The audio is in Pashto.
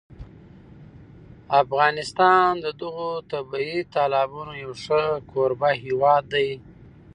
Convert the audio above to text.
افغانستان د دغو طبیعي تالابونو یو ښه کوربه هېواد دی.